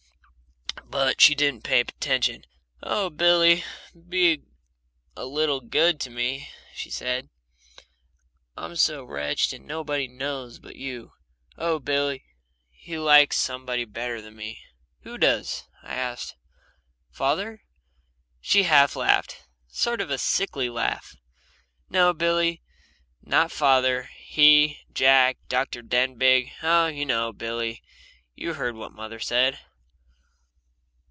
But she didn't pay attention. "Oh, Billy, be a little good to me!" she said. "I'm so wretched, and nobody knows but you. Oh, Billy he likes somebody better than me!" "Who does?" I asked. "Father?" She half laughed, a sort of sickly laugh. "No, Billy. Not father he Jack Dr. Denbigh. Oh, you know. Billy! You heard what mother said."